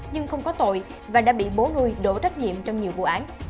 nhưng không có tội và đã bị bố nuôi đổ trách nhiệm trong nhiều vụ án